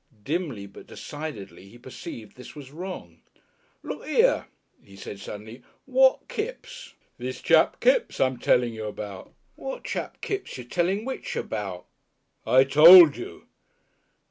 Dimly but decidedly he perceived this was wrong. "Look 'ere," he said suddenly, "what Kipps?" "This chap Kipps I'm telling you about." "What chap Kipps you're telling which about?" "I told you."